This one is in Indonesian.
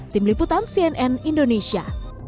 tim liputan cnn indonesia